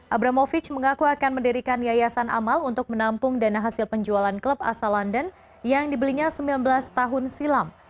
abramovic mengaku akan mendirikan yayasan amal untuk menampung dana hasil penjualan klub asal london yang dibelinya sembilan belas tahun silam